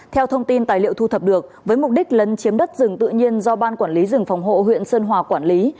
theo thông tin tài liệu thu thập được với mục đích lấn chiếm đất rừng tự nhiên do ban quản lý rừng phòng hộ huyện sơn hòa quản lý